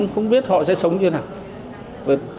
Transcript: không biết họ sẽ sống như thế nào